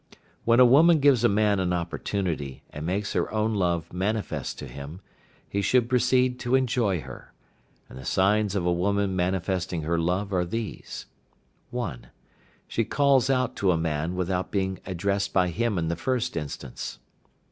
When a woman gives a man an opportunity, and makes her own love manifest to him, he should proceed to enjoy her. And the signs of a woman manifesting her love are these: 1. She calls out to a man without being addressed by him in the first instance.